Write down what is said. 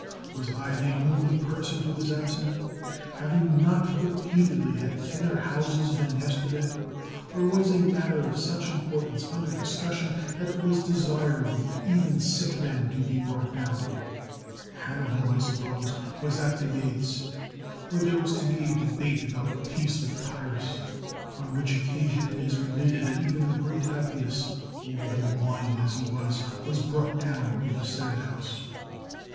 Was I the only person who was absent? Have you not repeatedly had thinner houses than yesterday ? Or was a matter of such importance under discussion, that it was 153 THE WORLD'S FAMOUS ORATIONS desirable for even sick men to be brought down t Hannibal, I suppose, was at the gates, or there was to be a debate about peace wiQi Pyrrhus, on which occasion it is related that even the great Appius, old and blind as he was, was brought down to the senate house.